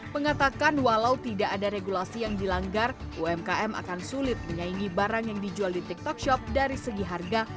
mengatakan walau tidak ada regulasi yang dilanggar umkm akan sulit menyaingi barang yang dijual di tiktok shop dari segi harga